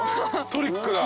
トリックだ。